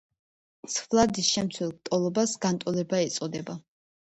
ცვლადის შემცველ ტოლობას განტოლება ეწოდება.